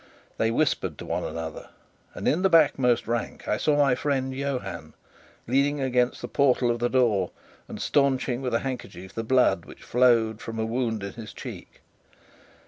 They whispered to one another; and in the backmost rank, I saw my friend Johann, leaning against the portal of the door and stanching with a handkerchief the blood which flowed from a wound in his cheek.